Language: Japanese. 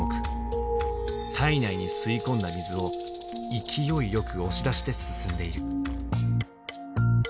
体内に吸い込んだ水を勢いよく押し出して進んでいる。